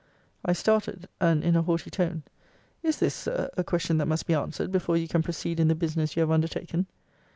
I started, and, in a haughty tone, is this, Sir, a question that must be answered before you can proceed in the business you have undertaken?